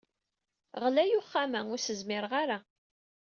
Ɣlay uxxam-a, ur as-zmireɣ ara.